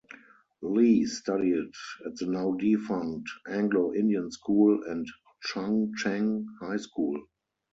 Lee studied at the now defunct Anglo-Indian School and Chung Cheng High School.